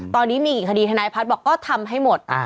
ตอนนี้มีอีกคดีทนายพัฒน์บอกก็ทำให้หมด